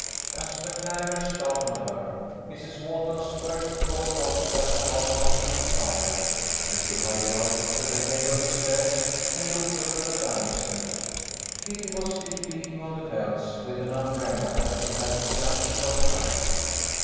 As the clangour startled her, Mrs. Walton's first thought was that the house must be on fire, and she hurried out to the head of the stairs and looked over the bannister. Kitty was still beating on the bells with an umbrella that she had snatched from the rack.